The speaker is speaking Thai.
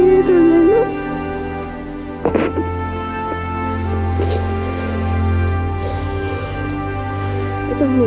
ไม่ต้องเหนื่อย